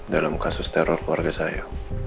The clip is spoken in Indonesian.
dalam kasus teror keluarga saya